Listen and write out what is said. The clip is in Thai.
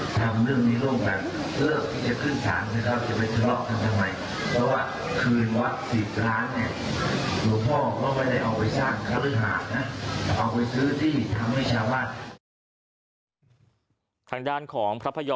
ทางด้านของพระพยพเองก็บอกว่าอัตมารเนี่ยรู้สึกสบายใจขึ้นนะ